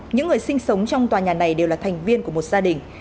những người sinh sống trong tòa nhà này đều là thành viên của một gia đình